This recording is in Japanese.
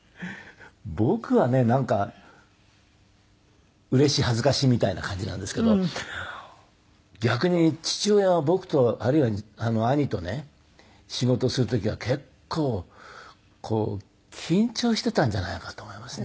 僕はねなんかうれし恥ずかしみたいな感じなんですけど逆に父親は僕とあるいは兄とね仕事をする時は結構緊張していたんじゃないかと思いますね。